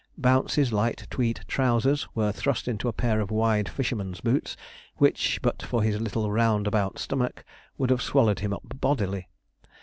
Bouncey's tight tweed trousers were thrust into a pair of wide fisherman's boots, which, but for his little roundabout stomach, would have swallowed him up bodily.